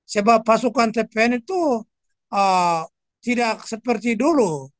sebab pasukan tpn itu tidak seperti dulu